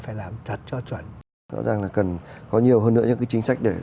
phải làm thật cho chuẩn rõ ràng là cần